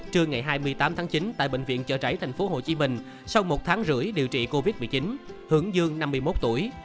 trưa ngày hai mươi tám tháng chín tại bệnh viện trợ rẫy tp hcm sau một tháng rưỡi điều trị covid một mươi chín hưởng dương năm mươi một tuổi